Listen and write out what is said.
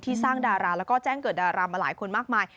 สร้างดาราแล้วก็แจ้งเกิดดารามาหลายคนมากมาย